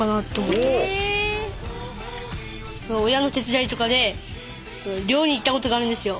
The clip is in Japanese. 親の手伝いとかで漁に行ったことがあるんですよ。